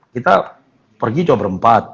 kita pergi coba ber empat